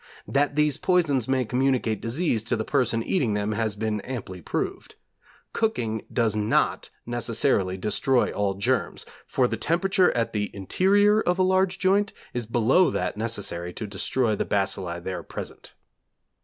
That these poisons may communicate disease to the person eating them has been amply proved. Cooking does not necessarily destroy all germs, for the temperature at the interior of a large joint is below that necessary to destroy the bacilli there present.